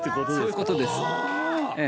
そういうことです